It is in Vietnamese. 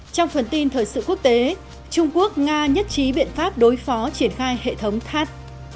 trong phần tin thời sự quốc tế trung quốc nga nhất trí biện pháp đối phó triển khai hệ thống tháp